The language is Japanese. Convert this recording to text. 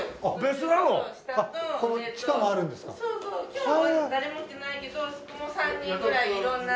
今日は誰も来てないけどもう３人ぐらい色んな。